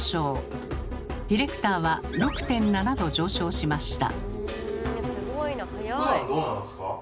ディレクターは６．７℃上昇しました。